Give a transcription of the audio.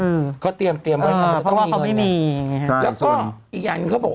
อืมเขาเตรียมเตรียมเพราะว่าเขาไม่มีใช่แล้วก็อีกอย่างหนึ่งเขาบอก